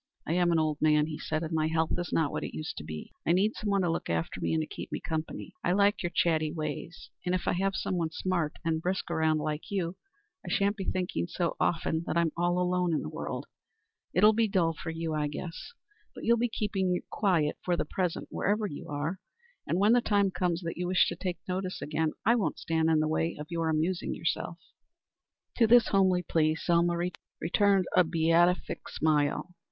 "I am an old man," he said, "and my health is not what it used to be. I need someone to look after me and to keep me company. I like your chatty ways, and, if I have someone smart and brisk around like you, I sha'n't be thinking so often that I'm all alone in the world. It'll be dull for you, I guess; but you'll be keeping quiet for the present wherever you are; and when the time comes that you wish to take notice again I won't stand in the way of your amusing yourself." To this homely plea Selma returned a beatific smile.